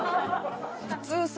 普通さ